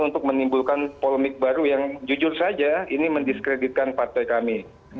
untuk menimbulkan polemik baru yang jujur saja ini mendiskreditkan partai kami